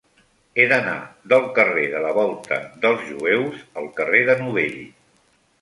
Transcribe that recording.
He d'anar del carrer de la Volta dels Jueus al carrer de Novell.